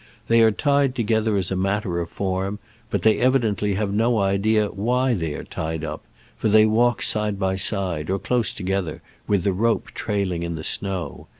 They are tied to gether as a matter of form, but they evidently have no idea why they are tied up, for they walk side by side or close together, with the rope trailing on the snow.